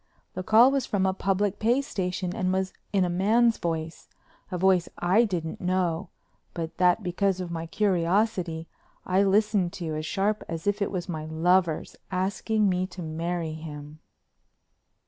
The call was from a public pay station and was in a man's voice—a voice I didn't know, but that, because of my curiosity, I listened to as sharp as if it was my lover's asking me to marry him.